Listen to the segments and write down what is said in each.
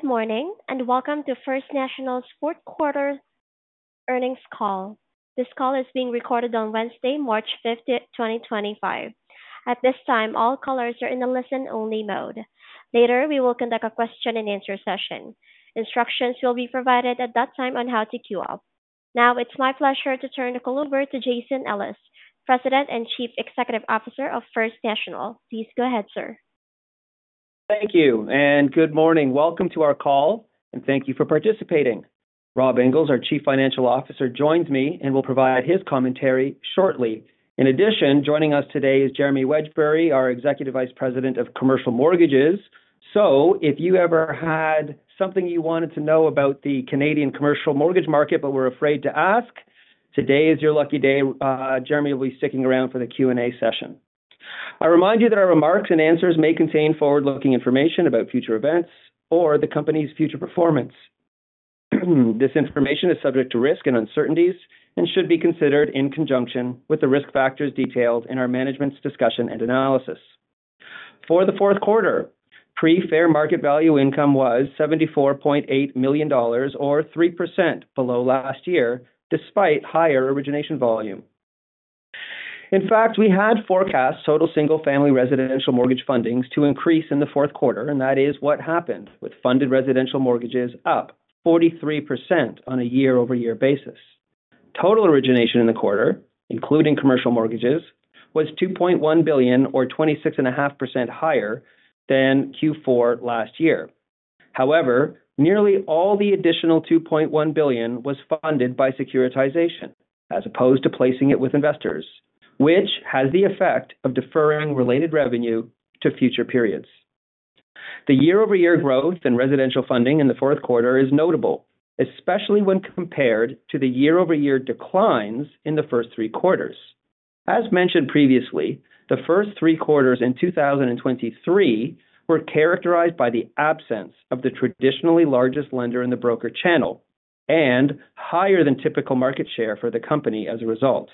Good morning, and welcome to First National's Fourth Quarter Earnings Call. This call is being recorded on Wednesday, March 5th, 2025. At this time, all callers are in the listen-only mode. Later, we will conduct a question-and-answer session. Instructions will be provided at that time on how to queue up. Now, it's my pleasure to turn the call over to Jason Ellis, President and Chief Executive Officer of First National. Please go ahead, sir. Thank you, and good morning. Welcome to our call, and thank you for participating. Rob Inglis, our Chief Financial Officer, joins me and will provide his commentary shortly. In addition, joining us today is Jeremy Wedgbury, our Executive Vice President of Commercial Mortgages. So, if you ever had something you wanted to know about the Canadian commercial mortgage market but were afraid to ask, today is your lucky day. Jeremy will be sticking around for the Q&A session. I remind you that our remarks and answers may contain forward-looking information about future events or the company's future performance. This information is subject to risk and uncertainties and should be considered in conjunction with the risk factors detailed in our management's discussion and analysis. For the fourth quarter, Pre-Fair Market Value income was 74.8 million dollars, or 3% below last year, despite higher origination volume. In fact, we had forecast total single-family residential mortgage fundings to increase in the fourth quarter, and that is what happened, with funded residential mortgages up 43% on a year-over-year basis. Total origination in the quarter, including commercial mortgages, was 2.1 billion, or 26.5% higher than Q4 last year. However, nearly all the additional 2.1 billion was funded by securitization as opposed to placing it with investors, which has the effect of deferring related revenue to future periods. The year-over-year growth in residential funding in the fourth quarter is notable, especially when compared to the year-over-year declines in the first three quarters. As mentioned previously, the first three quarters in 2023 were characterized by the absence of the traditionally largest lender in the broker channel and higher than typical market share for the company as a result.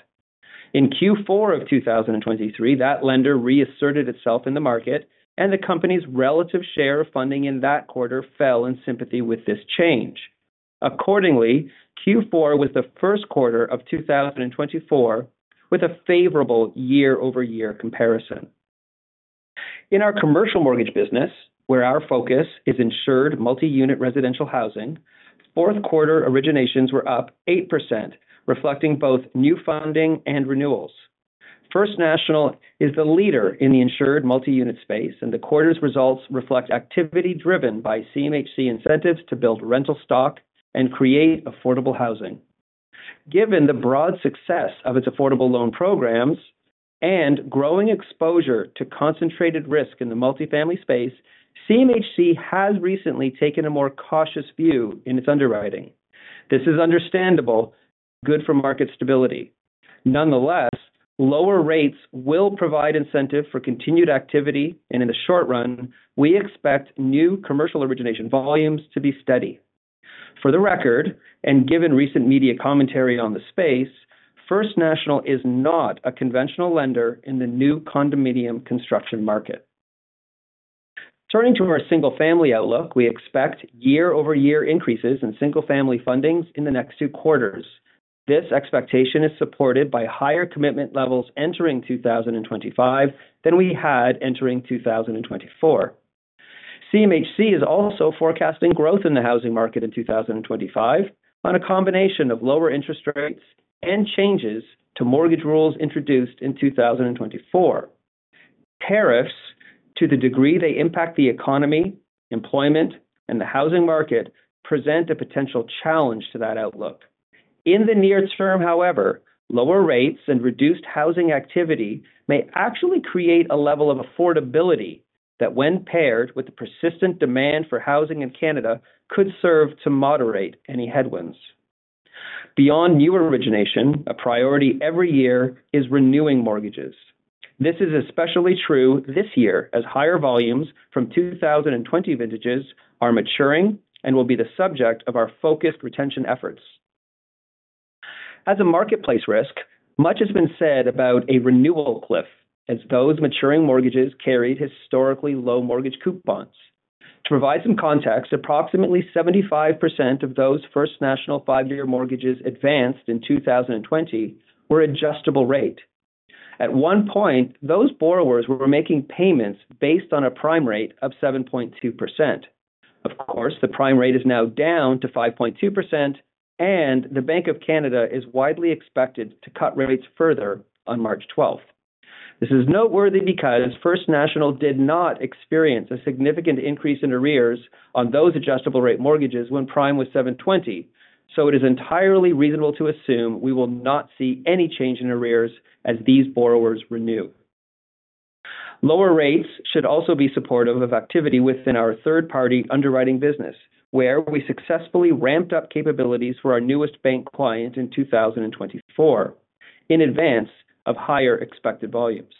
In Q4 of 2023, that lender reasserted itself in the market, and the company's relative share of funding in that quarter fell in sympathy with this change. Accordingly, Q4 was the first quarter of 2024 with a favorable year-over-year comparison. In our commercial mortgage business, where our focus is insured multi-unit residential housing, fourth quarter originations were up 8%, reflecting both new funding and renewals. First National is the leader in the insured multi-unit space, and the quarter's results reflect activity driven by CMHC incentives to build rental stock and create affordable housing. Given the broad success of its affordable loan programs and growing exposure to concentrated risk in the multifamily space, CMHC has recently taken a more cautious view in its underwriting. This is understandable and good for market stability. Nonetheless, lower rates will provide incentive for continued activity, and in the short run, we expect new commercial origination volumes to be steady. For the record, and given recent media commentary on the space, First National is not a conventional lender in the new condominium construction market. Turning to our single-family outlook, we expect year-over-year increases in single-family fundings in the next two quarters. This expectation is supported by higher commitment levels entering 2025 than we had entering 2024. CMHC is also forecasting growth in the housing market in 2025 on a combination of lower interest rates and changes to mortgage rules introduced in 2024. Tariffs, to the degree they impact the economy, employment, and the housing market, present a potential challenge to that outlook. In the near term, however, lower rates and reduced housing activity may actually create a level of affordability that, when paired with the persistent demand for housing in Canada, could serve to moderate any headwinds. Beyond new origination, a priority every year is renewing mortgages. This is especially true this year as higher volumes from 2020 vintages are maturing and will be the subject of our focused retention efforts. As a marketplace risk, much has been said about a renewal cliff as those maturing mortgages carried historically low mortgage coupons. To provide some context, approximately 75% of those First National five-year mortgages advanced in 2020 were adjustable- rate. At one point, those borrowers were making payments based on a prime rate of 7.2%. Of course, the prime rate is now down to 5.2%, and the Bank of Canada is widely expected to cut rates further on March 12th. This is noteworthy because First National did not experience a significant increase in arrears on those adjustable- rate mortgages when prime was 7.20%, so it is entirely reasonable to assume we will not see any change in arrears as these borrowers renew. Lower rates should also be supportive of activity within our third-party underwriting business, where we successfully ramped up capabilities for our newest bank client in 2024 in advance of higher expected volumes.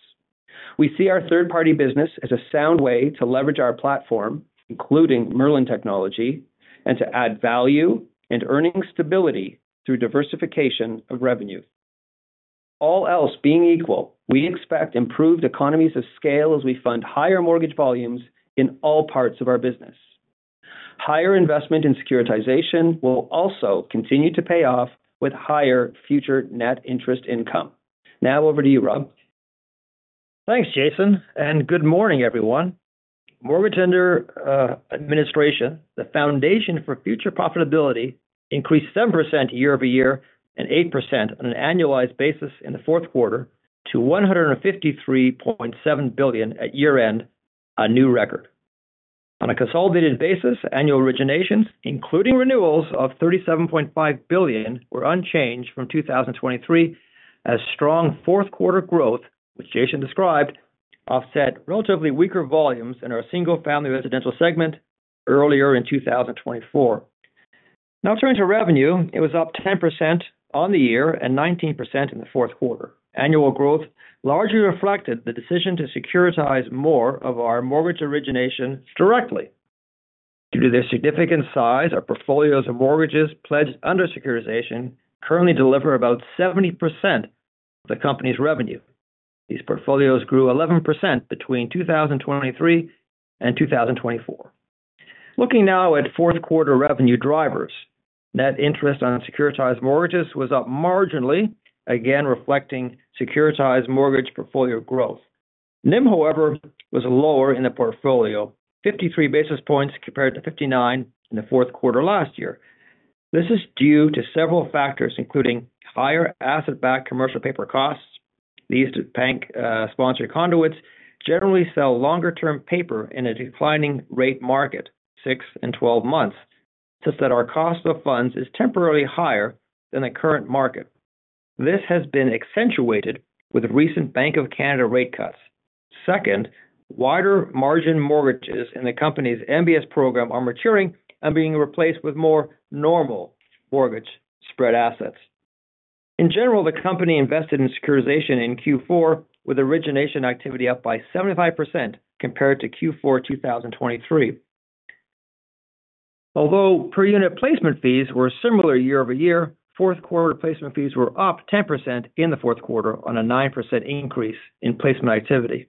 We see our third-party business as a sound way to leverage our platform, including Merlin technology, and to add value and earning stability through diversification of revenue. All else being equal, we expect improved economies of scale as we fund higher mortgage volumes in all parts of our business. Higher investment in securitization will also continue to pay off with higher future net interest income. Now, over to you, Rob. Thanks, Jason, and good morning, everyone. Mortgages under administration, the foundation for future profitability, increased 7% year-over-year and 8% on an annualized basis in the fourth quarter to 153.7 billion at year-end, a new record. On a consolidated basis, annual originations, including renewals of 37.5 billion, were unchanged from 2023 as strong fourth-quarter growth, which Jason described, offset relatively weaker volumes in our single-family residential segment earlier in 2024. Now, turning to revenue, it was up 10% on the year and 19% in the fourth quarter. Annual growth largely reflected the decision to securitize more of our mortgage originations directly. Due to their significant size, our portfolios of mortgages pledged under securitization currently deliver about 70% of the company's revenue. These portfolios grew 11% between 2023 and 2024. Looking now at fourth-quarter revenue drivers, net interest on securitized mortgages was up marginally, again reflecting securitized mortgage portfolio growth. NIM, however, was lower in the portfolio, 53 basis points compared to 59 in the fourth quarter last year. This is due to several factors, including higher asset-backed commercial paper costs. These bank-sponsored conduits generally sell longer-term paper in a declining rate market, six and 12 months, such that our cost of funds is temporarily higher than the current market. This has been accentuated with recent Bank of Canada rate cuts. Second, wider margin mortgages in the company's MBS program are maturing and being replaced with more normal mortgage spread assets. In general, the company invested in securitization in Q4, with origination activity up by 75% compared to Q4 2023. Although per-unit placement fees were similar year-over-year, fourth-quarter placement fees were up 10% in the fourth quarter on a 9% increase in placement activity.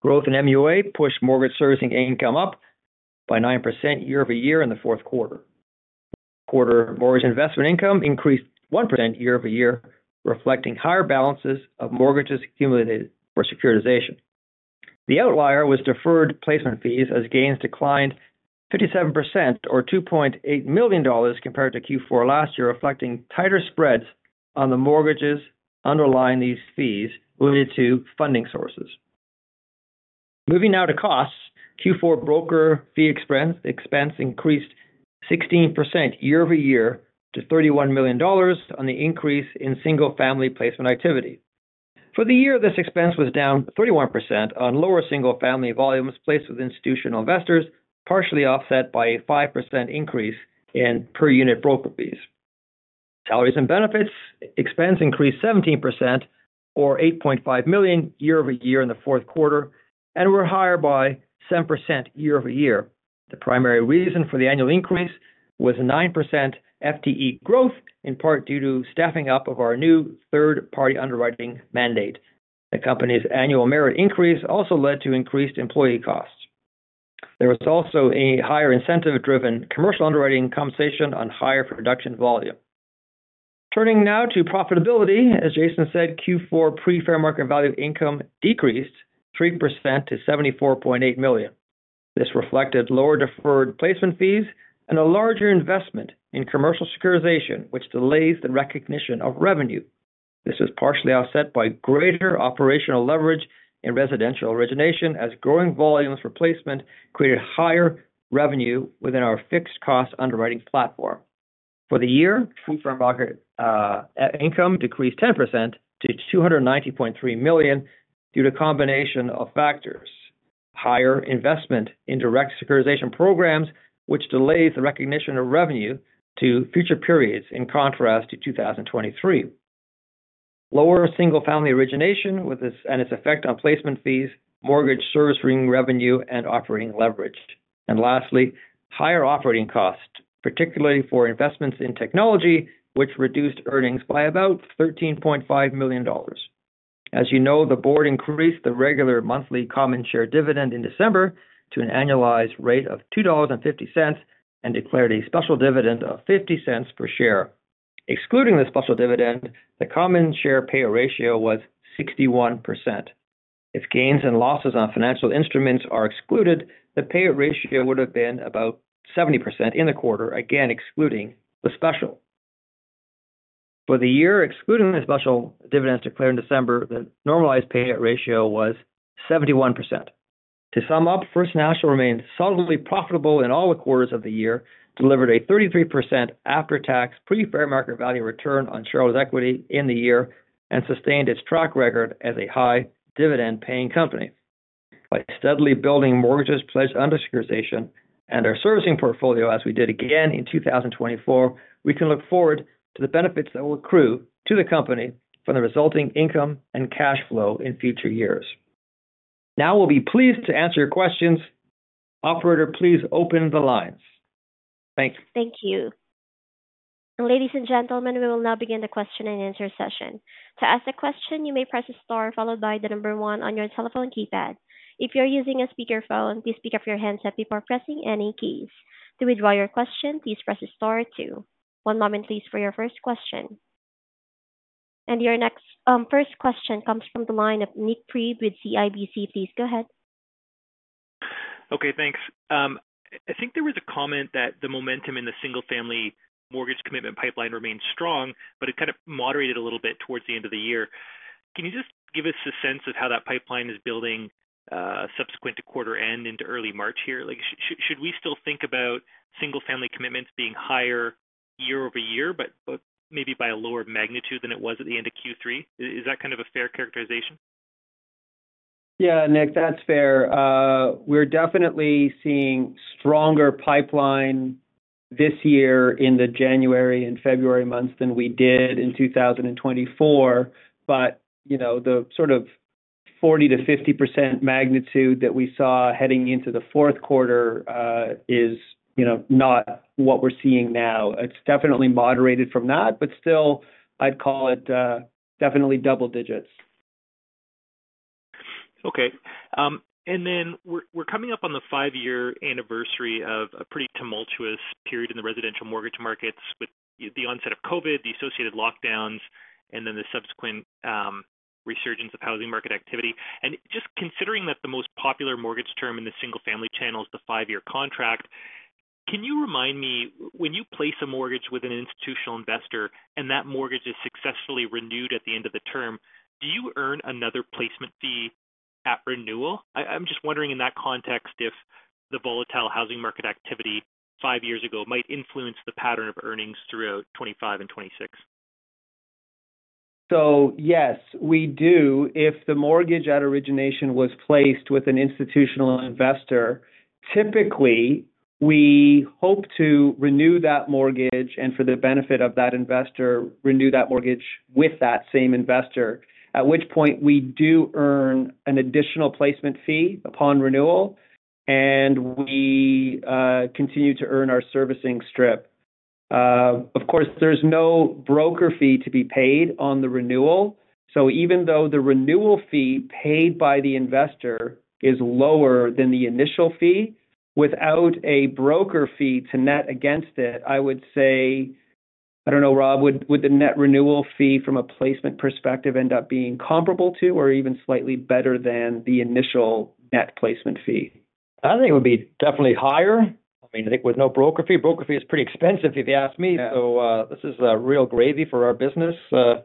Growth in MUA pushed mortgage servicing income up by 9% year-over-year in the fourth quarter. Fourth-quarter mortgage investment income increased 1% year-over-year, reflecting higher balances of mortgages accumulated for securitization. The outlier was deferred placement fees as gains declined 57%, or 2.8 million dollars compared to Q4 last year, reflecting tighter spreads on the mortgages underlying these fees related to funding sources. Moving now to costs, Q4 broker fee expense increased 16% year-over-year to 31 million dollars on the increase in single-family placement activity. For the year, this expense was down 31% on lower single-family volumes placed with institutional investors, partially offset by a 5% increase in per-unit broker fees. Salaries and benefits expense increased 17%, or 8.5 million year-over-year in the fourth quarter, and were higher by 7% year-over-year. The primary reason for the annual increase was 9% FTE growth, in part due to staffing up of our new third-party underwriting mandate. The company's annual merit increase also led to increased employee costs. There was also a higher incentive-driven commercial underwriting compensation on higher production volume. Turning now to profitability, as Jason said, Q4 Pre-Fair Market Value income decreased 3% to 74.8 million. This reflected lower deferred placement fees and a larger investment in commercial securitization, which delays the recognition of revenue. This was partially offset by greater operational leverage in residential origination as growing volumes for placement created higher revenue within our fixed-cost underwriting platform. For the year, Pre-Fair Market Value income decreased 10% to 290.3 million due to a combination of factors: higher investment in direct securitization programs, which delays the recognition of revenue to future periods in contrast to 2023; lower single-family origination and its effect on placement fees, mortgage servicing revenue, and operating leverage; and lastly, higher operating costs, particularly for investments in technology, which reduced earnings by about 13.5 million dollars. As you know, the board increased the regular monthly common share dividend in December to an annualized rate of 2.50 dollars and declared a special dividend of 0.50 per share. Excluding the special dividend, the common share payout ratio was 61%. If gains and losses on financial instruments are excluded, the payout ratio would have been about 70% in the quarter, again excluding the special. For the year, excluding the special dividends declared in December, the normalized payout ratio was 71%. To sum up, First National remained solidly profitable in all the quarters of the year, delivered a 33% after-tax Pre-Fair Market Value return on shareholders' equity in the year, and sustained its track record as a high dividend-paying company. By steadily building mortgages pledged under securitization and our servicing portfolio as we did again in 2024, we can look forward to the benefits that will accrue to the company from the resulting income and cash flow in future years. Now, we'll be pleased to answer your questions. Operator, please open the lines. Thank you. Thank you. Ladies and gentlemen, we will now begin the question and answer session. To ask a question, you may press the star followed by the number one on your telephone keypad. If you're using a speakerphone, please pick up your handset before pressing any keys. To withdraw your question, please press the star two. One moment, please, for your first question. And your next first question comes from the line of Nik Priebe with CIBC. Please go ahead. Okay, thanks. I think there was a comment that the momentum in the single-family mortgage commitment pipeline remained strong, but it kind of moderated a little bit towards the end of the year. Can you just give us a sense of how that pipeline is building subsequent to quarter end into early March here? Should we still think about single-family commitments being higher year-over-year, but maybe by a lower magnitude than it was at the end of Q3? Is that kind of a fair characterization? Yeah, Nik, that's fair. We're definitely seeing stronger pipeline this year in the January and February months than we did in 2024, but the sort of 40%-50% magnitude that we saw heading into the fourth quarter is not what we're seeing now. It's definitely moderated from that, but still, I'd call it definitely double digits. Okay. And then we're coming up on the five-year anniversary of a pretty tumultuous period in the residential mortgage markets with the onset of COVID, the associated lockdowns, and then the subsequent resurgence of housing market activity. And just considering that the most popular mortgage term in the single-family channel is the five-year contract, can you remind me, when you place a mortgage with an institutional investor and that mortgage is successfully renewed at the end of the term, do you earn another placement fee at renewal? I'm just wondering in that context if the volatile housing market activity five years ago might influence the pattern of earnings throughout 2025 and 2026. Yes, we do. If the mortgage at origination was placed with an institutional investor, typically we hope to renew that mortgage and for the benefit of that investor, renew that mortgage with that same investor, at which point we do earn an additional placement fee upon renewal, and we continue to earn our servicing strip. Of course, there's no broker fee to be paid on the renewal, so even though the renewal fee paid by the investor is lower than the initial fee, without a broker fee to net against it, I would say, I don't know, Rob, would the net renewal fee from a placement perspective end up being comparable to or even slightly better than the initial net placement fee? I think it would be definitely higher. I mean, I think with no broker fee, broker fee is pretty expensive if you ask me, so this is a real gravy for our business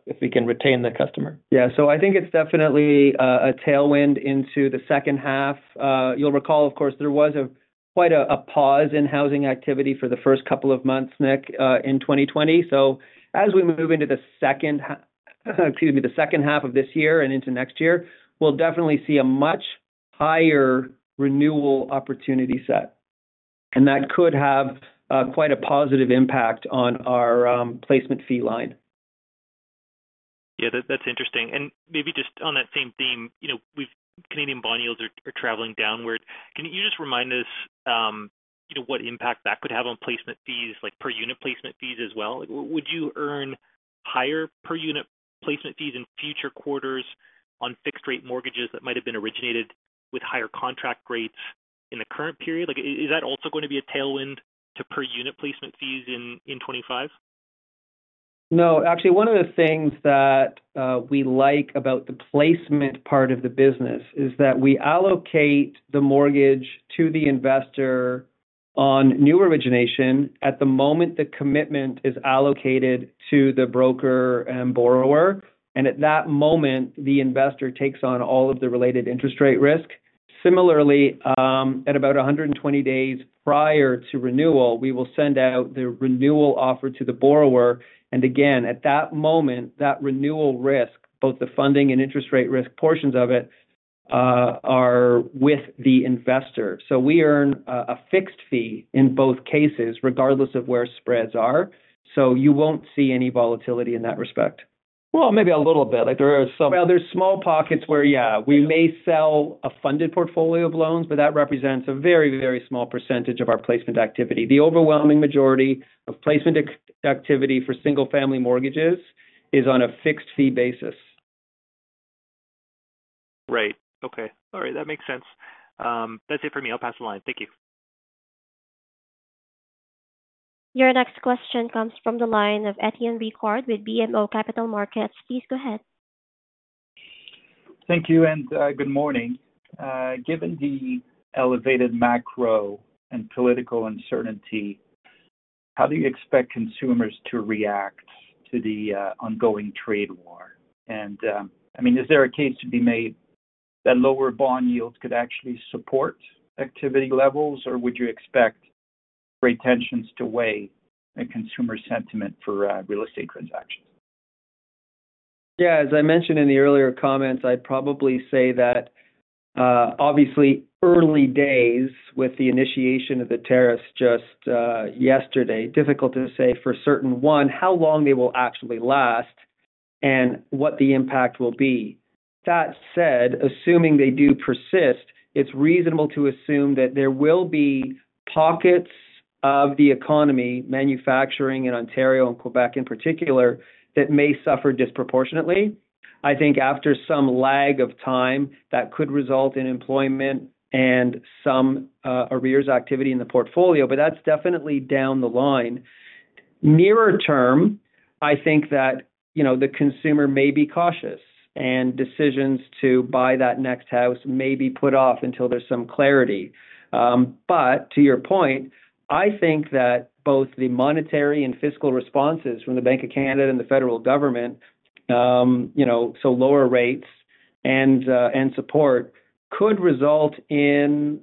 if we can retain the customer. Yeah, so I think it's definitely a tailwind into the second half. You'll recall, of course, there was quite a pause in housing activity for the first couple of months, Nik, in 2020. So as we move into the second, excuse me, the second half of this year and into next year, we'll definitely see a much higher renewal opportunity set, and that could have quite a positive impact on our placement fee line. Yeah, that's interesting. And maybe just on that same theme, Canadian bond yields are traveling downward. Can you just remind us what impact that could have on placement fees, like per-unit placement fees as well? Would you earn higher per-unit placement fees in future quarters on fixed-rate mortgages that might have been originated with higher contract rates in the current period? Is that also going to be a tailwind to per-unit placement fees in 2025? No, actually, one of the things that we like about the placement part of the business is that we allocate the mortgage to the investor on new origination at the moment the commitment is allocated to the broker and borrower, and at that moment, the investor takes on all of the related interest rate risk. Similarly, at about 120 days prior to renewal, we will send out the renewal offer to the borrower, and again, at that moment, that renewal risk, both the funding and interest rate risk portions of it, are with the investor. So we earn a fixed fee in both cases, regardless of where spreads are, so you won't see any volatility in that respect. Maybe a little bit. There are some. There's small pockets where, yeah, we may sell a funded portfolio of loans, but that represents a very, very small percentage of our placement activity. The overwhelming majority of placement activity for single-family mortgages is on a fixed fee basis. Right. Okay. All right, that makes sense. That's it for me. I'll pass the line. Thank you. Your next question comes from the line of Étienne Ricard with BMO Capital Markets. Please go ahead. Thank you, and good morning. Given the elevated macro and political uncertainty, how do you expect consumers to react to the ongoing trade war? And I mean, is there a case to be made that lower bond yields could actually support activity levels, or would you expect great tensions to weigh consumer sentiment for real estate transactions? Yeah, as I mentioned in the earlier comments, I'd probably say that obviously early days with the initiation of the tariffs just yesterday. Difficult to say for certain how long they will actually last and what the impact will be. That said, assuming they do persist, it's reasonable to assume that there will be pockets of the economy, manufacturing in Ontario and Quebec in particular, that may suffer disproportionately. I think after some lag of time, that could result in employment and some arrears activity in the portfolio, but that's definitely down the line. Nearer term, I think that the consumer may be cautious, and decisions to buy that next house may be put off until there's some clarity. But to your point, I think that both the monetary and fiscal responses from the Bank of Canada and the federal government, so lower rates and support, could result in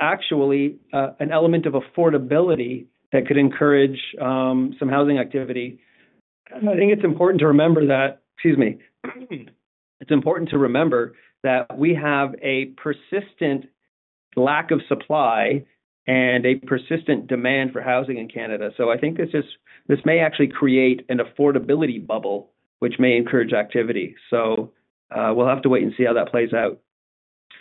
actually an element of affordability that could encourage some housing activity. I think it's important to remember that, excuse me, it's important to remember that we have a persistent lack of supply and a persistent demand for housing in Canada, so I think this may actually create an affordability bubble, which may encourage activity. So we'll have to wait and see how that plays out.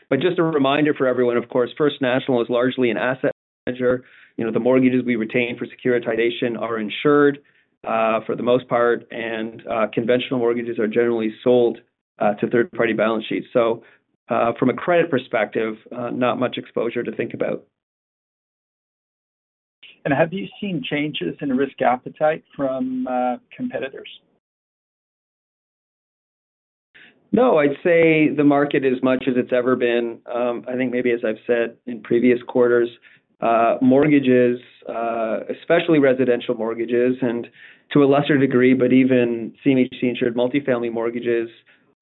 But just a reminder for everyone, of course, First National is largely an asset manager. The mortgages we retain for securitization are insured for the most part, and conventional mortgages are generally sold to third-party balance sheets. So from a credit perspective, not much exposure to think about. Have you seen changes in risk appetite from competitors? No, I'd say the market, as much as it's ever been, I think maybe, as I've said in previous quarters, mortgages, especially residential mortgages, and to a lesser degree, but even CMHC-insured multi-family mortgages,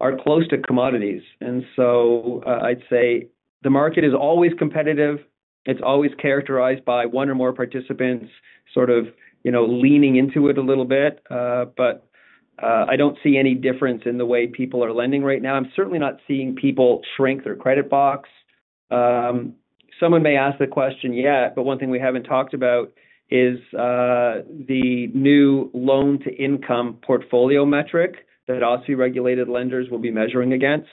are close to commodities, and so I'd say the market is always competitive. It's always characterized by one or more participants sort of leaning into it a little bit, but I don't see any difference in the way people are lending right now. I'm certainly not seeing people shrink their credit box. Someone may ask the question yet, but one thing we haven't talked about is the new loan-to-income portfolio metric that OSFI-regulated lenders will be measuring against.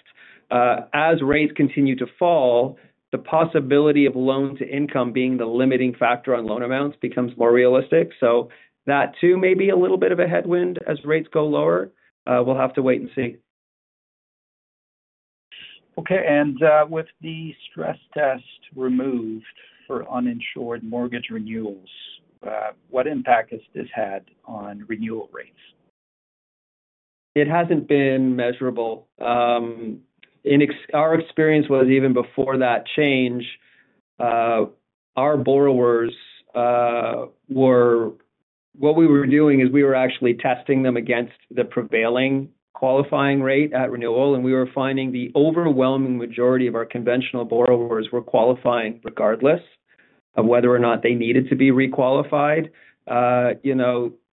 As rates continue to fall, the possibility of loan-to-income being the limiting factor on loan amounts becomes more realistic, so that too may be a little bit of a headwind as rates go lower. We'll have to wait and see. Okay. And with the stress test removed for uninsured mortgage renewals, what impact has this had on renewal rates? It hasn't been measurable. Our experience was even before that change, our borrowers were what we were doing is we were actually testing them against the prevailing qualifying rate at renewal, and we were finding the overwhelming majority of our conventional borrowers were qualifying regardless of whether or not they needed to be requalified.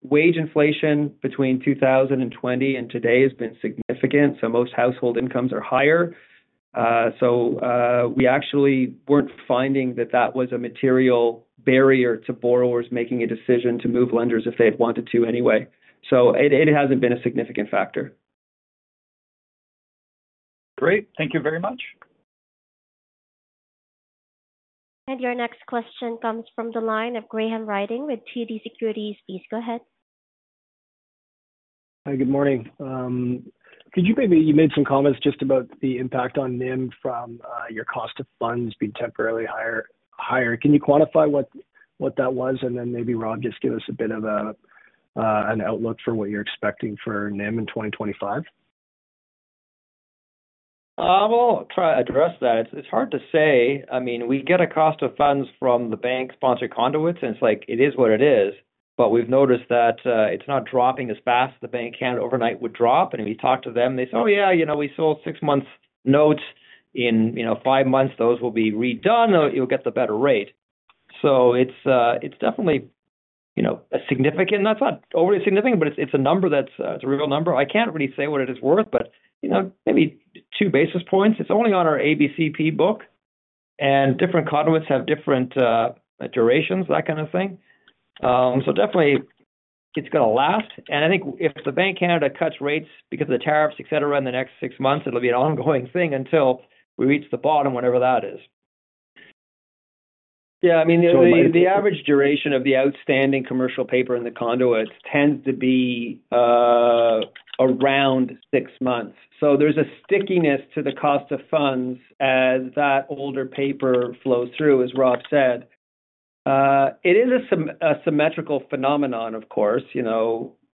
Wage inflation between 2020 and today has been significant, so most household incomes are higher. So we actually weren't finding that that was a material barrier to borrowers making a decision to move lenders if they had wanted to anyway. So it hasn't been a significant factor. Great. Thank you very much. Your next question comes from the line of Graham Ryding with TD Securities. Please go ahead. Hi, good morning. Could you maybe you made some comments just about the impact on NIM from your cost of funds being temporarily higher. Can you quantify what that was, and then maybe Rob, just give us a bit of an outlook for what you're expecting for NIM in 2025? I'll try to address that. It's hard to say. I mean, we get a cost of funds from the bank-sponsored conduits, and it's like it is what it is, but we've noticed that it's not dropping as fast as the Bank of Canada overnight rate, and we talk to them, they say, "Oh yeah, we sold six-month note. In five months, those will be redone. You'll get the better rate." So it's definitely a significant—not overly significant, but it's a number that's a real number. I can't really say what it is worth, but maybe two basis points. It's only on our ABCP book, and different conduits have different durations, that kind of thing. So definitely, it's going to last. I think if the Bank of Canada cuts rates because of the tariffs, etc., in the next six months, it'll be an ongoing thing until we reach the bottom, whatever that is. Yeah, I mean, the average duration of the outstanding commercial paper in the conduits tends to be around six months. So there's a stickiness to the cost of funds as that older paper flows through, as Rob said. It is a symmetrical phenomenon, of course.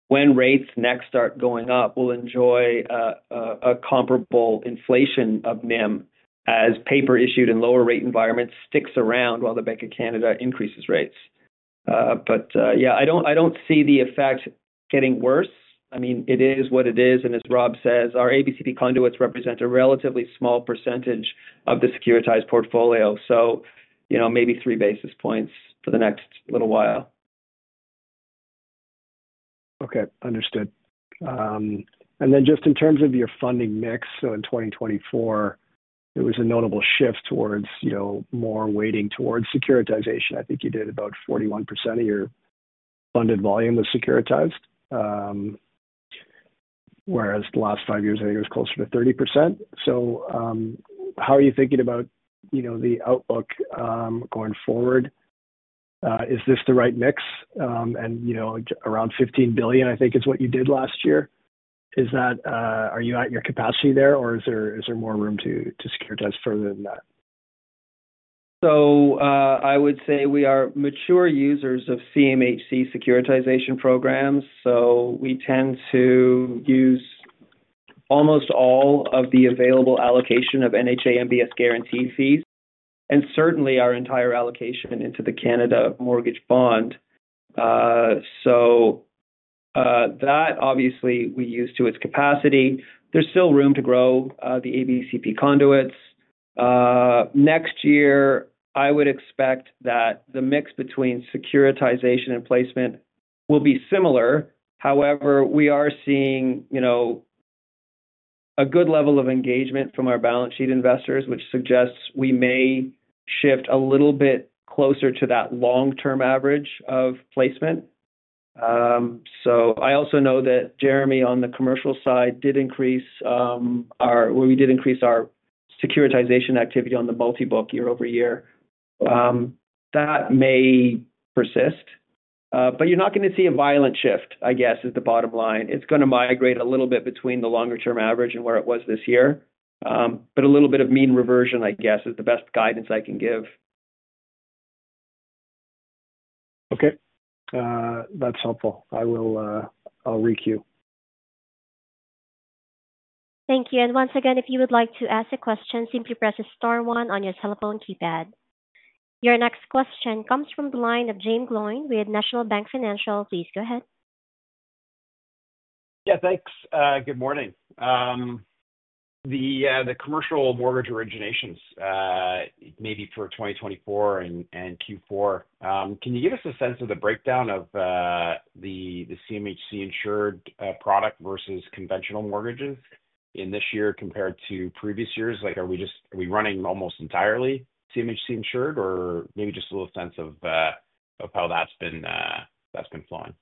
When rates next start going up, we'll enjoy a comparable inflation of NIM as paper issued in lower-rate environments sticks around while the Bank of Canada increases rates. But yeah, I don't see the effect getting worse. I mean, it is what it is, and as Rob says, our ABCP conduits represent a relatively small percentage of the securitized portfolio, so maybe three basis points for the next little while. Okay. Understood. And then just in terms of your funding mix, so in 2024, there was a notable shift towards more weighting towards securitization. I think you did about 41% of your funded volume was securitized, whereas the last five years, I think it was closer to 30%. So how are you thinking about the outlook going forward? Is this the right mix? And around 15 billion, I think, is what you did last year. Are you at your capacity there, or is there more room to securitize further than that? I would say we are mature users of CMHC securitization programs, so we tend to use almost all of the available allocation of NHA MBS guaranteed fees and certainly our entire allocation into the Canada Mortgage Bond. So that, obviously, we use to its capacity. There is still room to grow the ABCP conduits. Next year, I would expect that the mix between securitization and placement will be similar. However, we are seeing a good level of engagement from our balance sheet investors, which suggests we may shift a little bit closer to that long-term average of placement. So I also know that Jeremy on the commercial side—we did increase our securitization activity on the multi-book year-over-year. That may persist, but you are not going to see a violent shift, I guess, is the bottom line. It's going to migrate a little bit between the longer-term average and where it was this year, but a little bit of mean reversion, I guess, is the best guidance I can give. Okay. That's helpful. I'll re-queue. Thank you. And once again, if you would like to ask a question, simply press the star one on your telephone keypad. Your next question comes from the line of Jaeme Gloyn with National Bank Financial. Please go ahead. Yeah, thanks. Good morning. The commercial mortgage originations, maybe for 2024 and Q4, can you give us a sense of the breakdown of the CMHC-insured product versus conventional mortgages in this year compared to previous years? Are we running almost entirely CMHC-insured, or maybe just a little sense of how that's been flowing?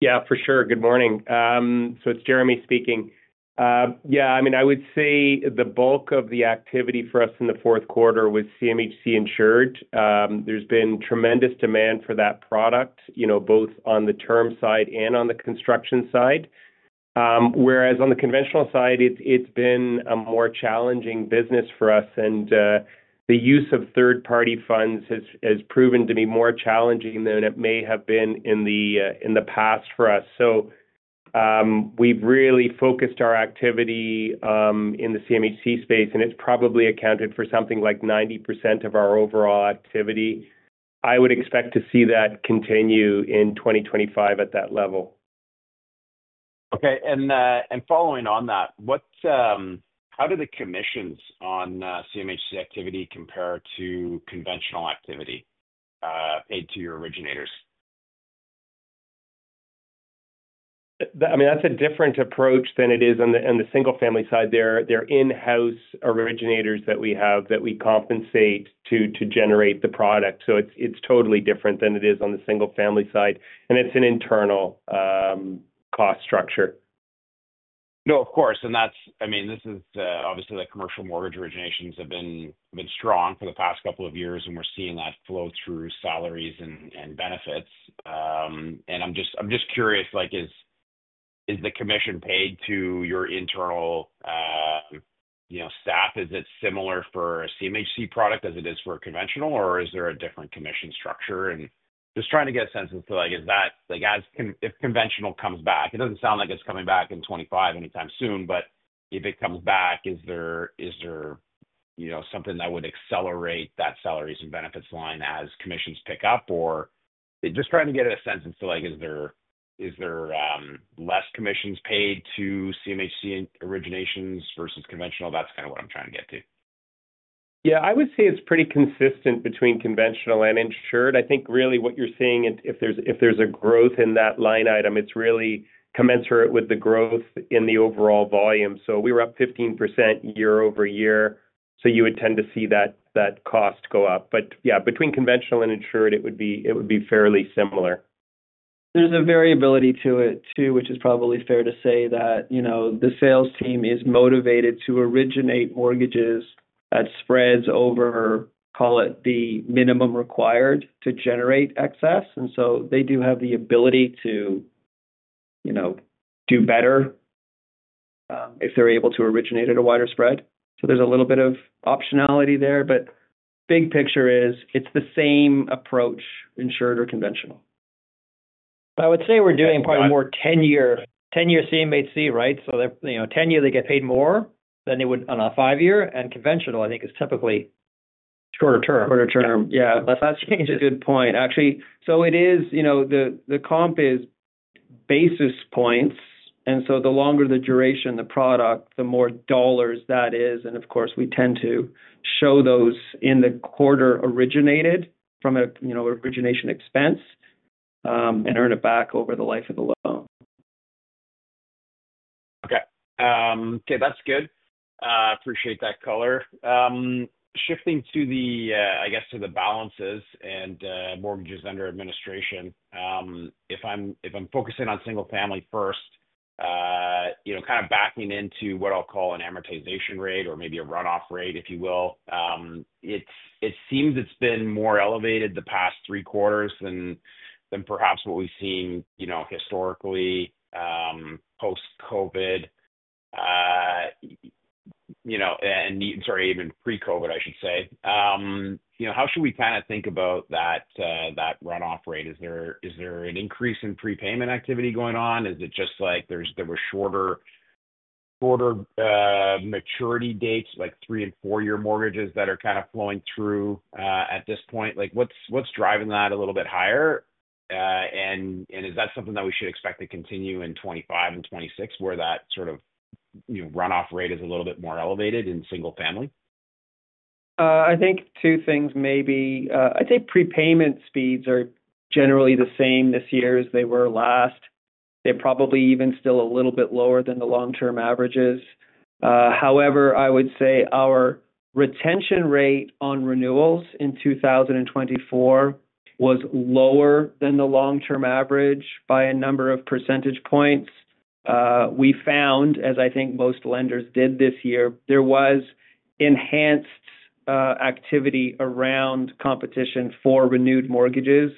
Yeah, for sure. Good morning. So it's Jeremy speaking. Yeah, I mean, I would say the bulk of the activity for us in the fourth quarter was CMHC-insured. There's been tremendous demand for that product, both on the term side and on the construction side, whereas on the conventional side, it's been a more challenging business for us, and the use of third-party funds has proven to be more challenging than it may have been in the past for us. So we've really focused our activity in the CMHC space, and it's probably accounted for something like 90% of our overall activity. I would expect to see that continue in 2025 at that level. Okay. And following on that, how do the commissions on CMHC activity compare to conventional activity paid to your originators? I mean, that's a different approach than it is on the single-family side. They're in-house originators that we have that we compensate to generate the product. So it's totally different than it is on the single-family side, and it's an internal cost structure. No, of course. And I mean, this is obviously the commercial mortgage originations have been strong for the past couple of years, and we're seeing that flow through salaries and benefits. And I'm just curious, is the commission paid to your internal staff? Is it similar for a CMHC product as it is for a conventional, or is there a different commission structure? And just trying to get a sense as to if conventional comes back. It doesn't sound like it's coming back in 2025 anytime soon, but if it comes back, is there something that would accelerate that salaries and benefits line as commissions pick up? Or just trying to get a sense as to is there less commissions paid to CMHC originations versus conventional? That's kind of what I'm trying to get to. Yeah, I would say it's pretty consistent between conventional and insured. I think really what you're seeing, if there's a growth in that line item, it's really commensurate with the growth in the overall volume. So we were up 15% year over year, so you would tend to see that cost go up. But yeah, between conventional and insured, it would be fairly similar. There's a variability to it too, which is probably fair to say that the sales team is motivated to originate mortgages at spreads over, call it the minimum required to generate excess. And so they do have the ability to do better if they're able to originate at a wider spread. So there's a little bit of optionality there, but big picture is it's the same approach, insured or conventional. I would say we're doing probably more 10-year CMHC, right? So 10-year, they get paid more than they would on a 5-year, and conventional, I think, is typically shorter term. Shorter term, yeah. That's a good point, actually. So it is the comp is basis points, and so the longer the duration of the product, the more dollars that is, and of course, we tend to show those in the quarter originated from an origination expense and earn it back over the life of the loan. Okay. Okay. That's good. Appreciate that color. Shifting to the, I guess, to the balances and mortgages under administration, if I'm focusing on single-family first, kind of backing into what I'll call an amortization rate or maybe a runoff rate, if you will, it seems it's been more elevated the past three quarters than perhaps what we've seen historically post-COVID and, sorry, even pre-COVID, I should say. How should we kind of think about that runoff rate? Is there an increase in prepayment activity going on? Is it just like there were shorter maturity dates, like three and four-year mortgages that are kind of flowing through at this point? What's driving that a little bit higher? And is that something that we should expect to continue in 2025 and 2026 where that sort of runoff rate is a little bit more elevated in single-family? I think two things, maybe. I'd say prepayment speeds are generally the same this year as they were last. They're probably even still a little bit lower than the long-term averages. However, I would say our retention rate on renewals in 2024 was lower than the long-term average by a number of percentage points. We found, as I think most lenders did this year, there was enhanced activity around competition for renewed mortgages.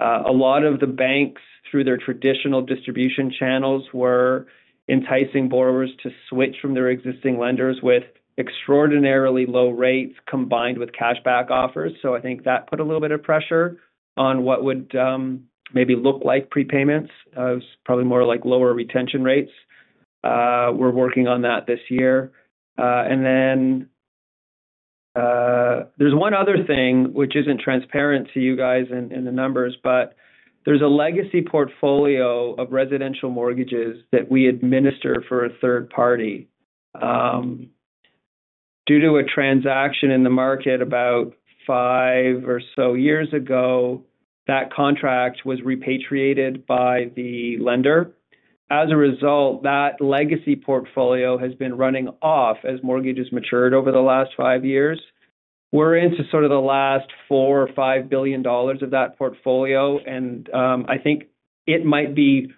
A lot of the banks, through their traditional distribution channels, were enticing borrowers to switch from their existing lenders with extraordinarily low rates combined with cashback offers. So I think that put a little bit of pressure on what would maybe look like prepayments. It was probably more like lower retention rates. We're working on that this year. Then there's one other thing, which isn't transparent to you guys in the numbers, but there's a legacy portfolio of residential mortgages that we administer for a third party. Due to a transaction in the market about five or so years ago, that contract was repatriated by the lender. As a result, that legacy portfolio has been running off as mortgages matured over the last five years. We're into sort of the last 4 billion or 5 billion dollars of that portfolio, and I think it might be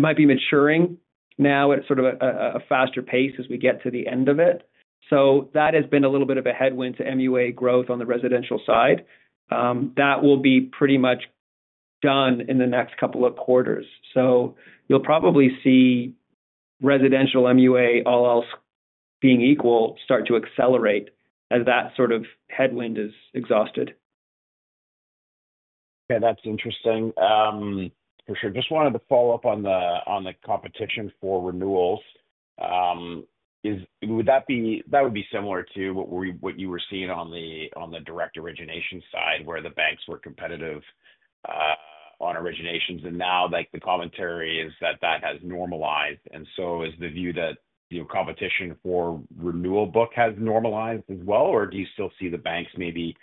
maturing now at sort of a faster pace as we get to the end of it. So that has been a little bit of a headwind to MUA growth on the residential side. That will be pretty much done in the next couple of quarters. So you'll probably see residential MUA, all else being equal, start to accelerate as that sort of headwind is exhausted. Okay. That's interesting. For sure. Just wanted to follow up on the competition for renewals. Would that be—that would be similar to what you were seeing on the direct origination side where the banks were competitive on originations, and now the commentary is that that has normalized. And so is the view that competition for renewal book has normalized as well, or do you still see the banks maybe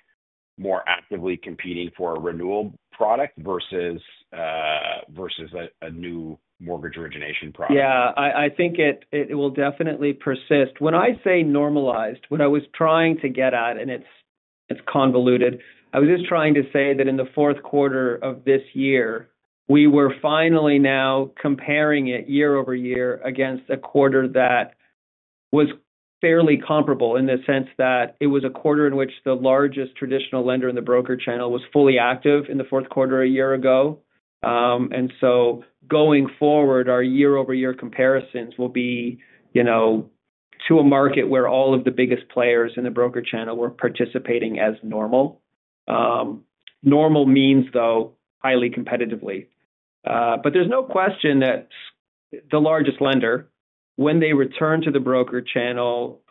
more actively competing for a renewal product versus a new mortgage origination product? Yeah, I think it will definitely persist. When I say normalized, what I was trying to get at, and it's convoluted, I was just trying to say that in the fourth quarter of this year, we were finally now comparing it year-over-year against a quarter that was fairly comparable in the sense that it was a quarter in which the largest traditional lender in the broker channel was fully active in the fourth quarter a year ago. And so going forward, our year-over-year comparisons will be to a market where all of the biggest players in the broker channel were participating as normal. Normal means, though, highly competitively. But there's no question that the largest lender, when they returned to the broker channel,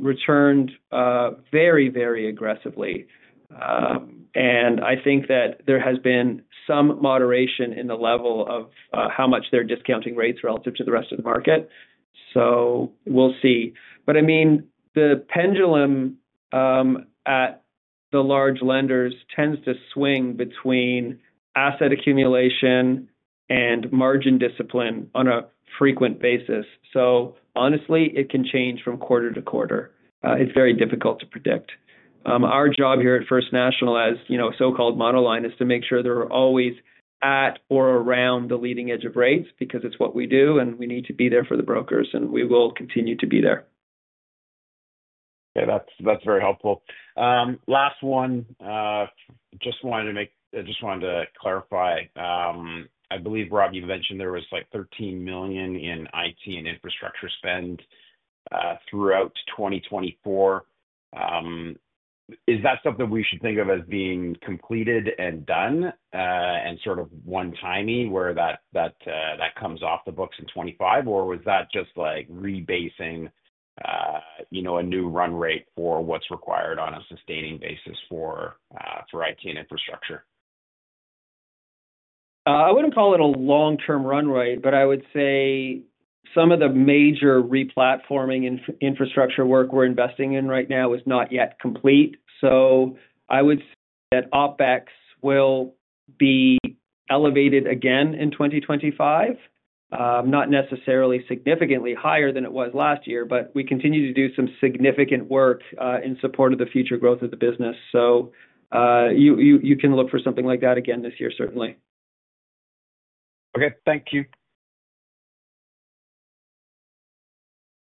returned very, very aggressively. I think that there has been some moderation in the level of how much they're discounting rates relative to the rest of the market. So we'll see. But I mean, the pendulum at the large lenders tends to swing between asset accumulation and margin discipline on a frequent basis. So honestly, it can change from quarter-to-quarter. It's very difficult to predict. Our job here at First National, as so-called monoline, is to make sure they're always at or around the leading edge of rates because it's what we do, and we need to be there for the brokers, and we will continue to be there. Okay. That's very helpful. Last one. Just wanted to clarify. I believe, Rob, you mentioned there was like 13 million in IT and infrastructure spend throughout 2024. Is that something we should think of as being completed and done and sort of one-timey where that comes off the books in 2025, or was that just like rebasing a new run rate for what's required on a sustaining basis for IT and infrastructure? I wouldn't call it a long-term run rate, but I would say some of the major re-platforming infrastructure work we're investing in right now is not yet complete. So I would say that OpEx will be elevated again in 2025, not necessarily significantly higher than it was last year, but we continue to do some significant work in support of the future growth of the business. So you can look for something like that again this year, certainly. Okay. Thank you.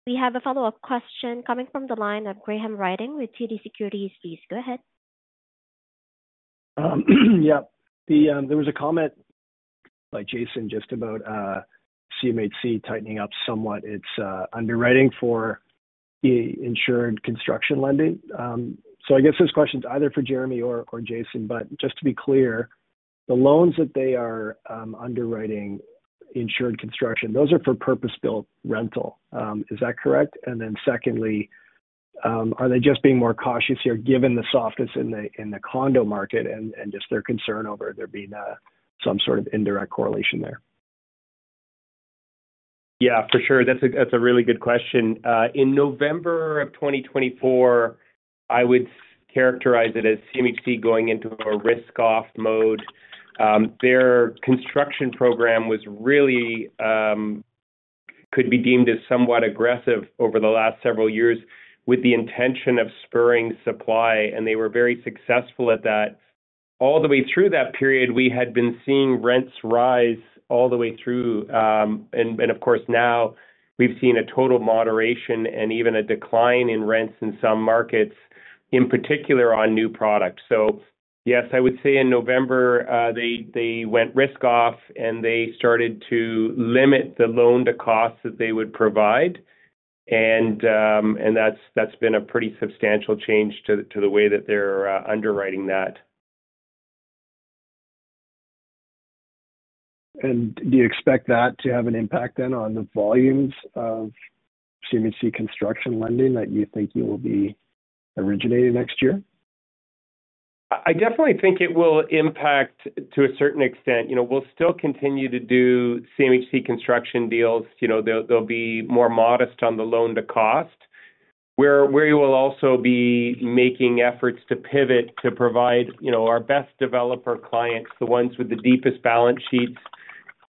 We have a follow-up question coming from the line of Graham Ryding with TD Securities. Please go ahead. Yeah. There was a comment by Jason just about CMHC tightening up somewhat its underwriting for insured construction lending, so I guess this question's either for Jeremy or Jason, but just to be clear, the loans that they are underwriting, insured construction, those are for purpose-built rental. Is that correct, and then secondly, are they just being more cautious here given the softness in the condo market and just their concern over there being some sort of indirect correlation there? Yeah, for sure. That's a really good question. In November of 2024, I would characterize it as CMHC going into a risk-off mode. Their construction program could be deemed as somewhat aggressive over the last several years with the intention of spurring supply, and they were very successful at that. All the way through that period, we had been seeing rents rise all the way through. And of course, now we've seen a total moderation and even a decline in rents in some markets, in particular on new products. So yes, I would say in November, they went risk-off, and they started to limit the loan-to-cost that they would provide. And that's been a pretty substantial change to the way that they're underwriting that. Do you expect that to have an impact then on the volumes of CMHC construction lending that you think you will be originating next year? I definitely think it will impact to a certain extent. We'll still continue to do CMHC construction deals. They'll be more modest on the loan-to-cost, where you will also be making efforts to pivot to provide our best developer clients, the ones with the deepest balance sheets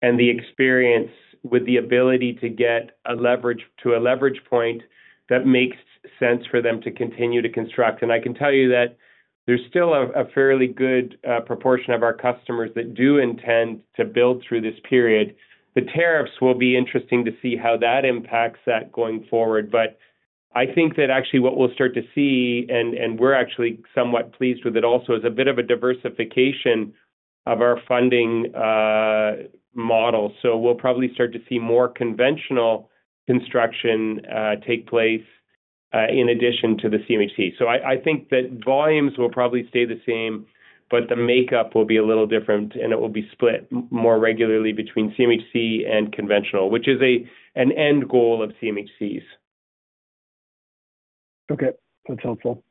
and the experience with the ability to get to a leverage point that makes sense for them to continue to construct, and I can tell you that there's still a fairly good proportion of our customers that do intend to build through this period. The tariffs will be interesting to see how that impacts that going forward, but I think that actually what we'll start to see, and we're actually somewhat pleased with it also, is a bit of a diversification of our funding model, so we'll probably start to see more conventional construction take place in addition to the CMHC. I think that volumes will probably stay the same, but the makeup will be a little different, and it will be split more regularly between CMHC and conventional, which is an end goal of CMHC's. Okay. That's helpful.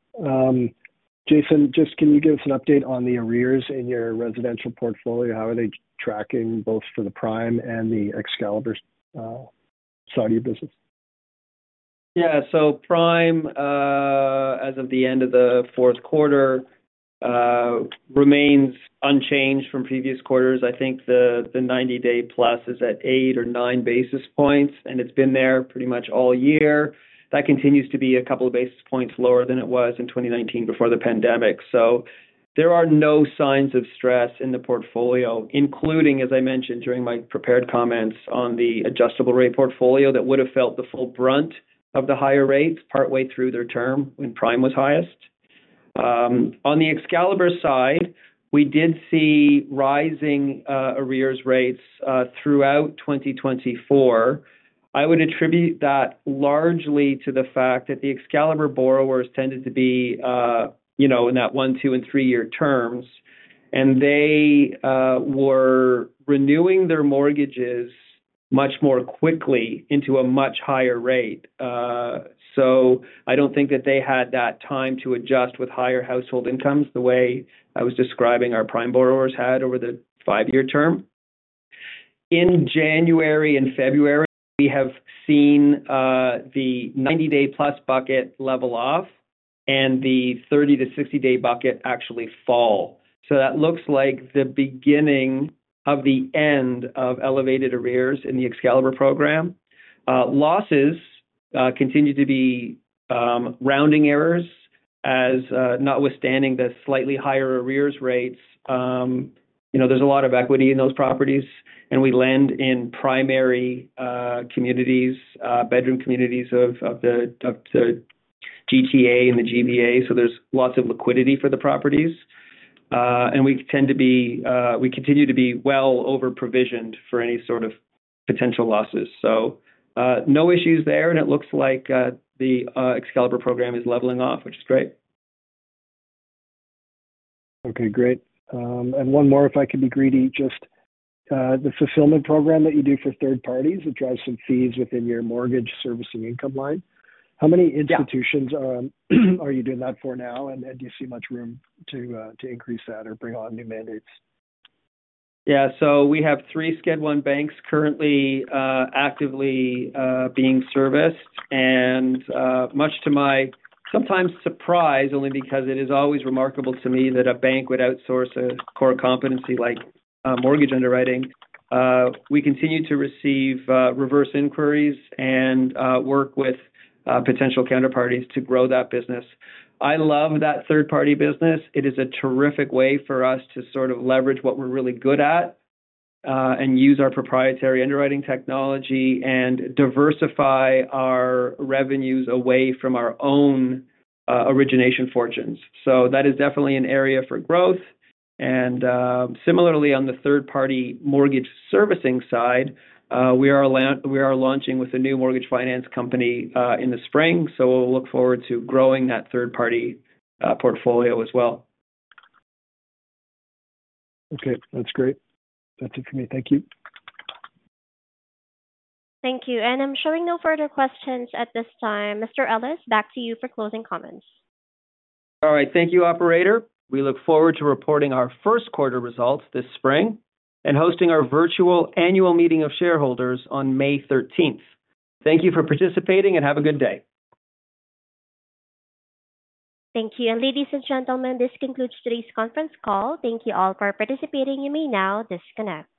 Jason, just can you give us an update on the arrears in your residential portfolio? How are they tracking both for the Prime and the Excalibur side of your business? Yeah. So Prime, as of the end of the fourth quarter, remains unchanged from previous quarters. I think the 90-day plus is at 8 or 9 basis points, and it's been there pretty much all year. That continues to be a couple of basis points lower than it was in 2019 before the pandemic. So there are no signs of stress in the portfolio, including, as I mentioned during my prepared comments on the adjustable-rate portfolio, that would have felt the full brunt of the higher rates partway through their term when Prime was highest. On the Excalibur side, we did see rising arrears rates throughout 2024. I would attribute that largely to the fact that the Excalibur borrowers tended to be in that one, two, and three-year terms, and they were renewing their mortgages much more quickly into a much higher rate. So I don't think that they had that time to adjust with higher household incomes the way I was describing our Prime borrowers had over the five-year term. In January and February, we have seen the 90-day plus bucket level off and the 30 to 60-day bucket actually fall. So that looks like the beginning of the end of elevated arrears in the Excalibur program. Losses continue to be rounding errors as notwithstanding the slightly higher arrears rates. There's a lot of equity in those properties, and we lend in primary communities, bedroom communities of the GTA and the GVA. So there's lots of liquidity for the properties. And we continue to be well over-provisioned for any sort of potential losses. So no issues there. And it looks like the Excalibur program is leveling off, which is great. Okay. Great. And one more, if I could be greedy, just the fulfillment program that you do for third parties that drives some fees within your mortgage servicing income line. How many institutions are you doing that for now, and do you see much room to increase that or bring on new mandates? Yeah. So we have three Schedule I banks currently actively being serviced. And much to my sometimes surprise, only because it is always remarkable to me that a bank would outsource a core competency like mortgage underwriting, we continue to receive reverse inquiries and work with potential counterparties to grow that business. I love that third-party business. It is a terrific way for us to sort of leverage what we're really good at and use our proprietary underwriting technology and diversify our revenues away from our own origination fortunes. So that is definitely an area for growth. And similarly, on the third-party mortgage servicing side, we are launching with a new mortgage finance company in the spring. So we'll look forward to growing that third-party portfolio as well. Okay. That's great. That's it for me. Thank you. Thank you. And I'm showing no further questions at this time. Mr. Ellis, back to you for closing comments. All right. Thank you, Operator. We look forward to reporting our first quarter results this spring and hosting our virtual annual meeting of shareholders on May 13th. Thank you for participating, and have a good day. Thank you. And ladies and gentlemen, this concludes today's conference call. Thank you all for participating. You may now disconnect.